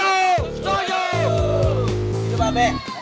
gitu mba be